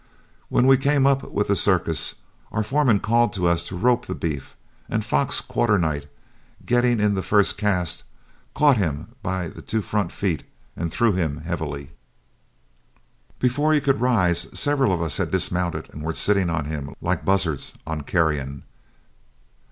When we came up with the circus, our foreman called to us to rope the beef, and Fox Quarternight, getting in the first cast, caught him by the two front feet and threw him heavily. Before he could rise, several of us had dismounted and were sitting on him like buzzards on carrion.